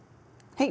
はい。